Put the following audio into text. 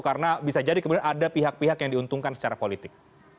karena bisa jadi kemudian ada pihak pihak yang diuntungkan secara politik